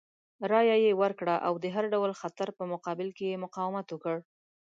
رایه یې ورکړه او د هر ډول خطر په مقابل کې یې مقاومت وکړ.